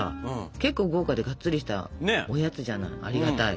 けっこう豪華でがっつりしたおやつじゃないありがたい。